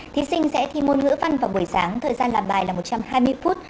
thí sinh sẽ thi môn ngữ văn vào buổi sáng thời gian làm bài là một trăm hai mươi phút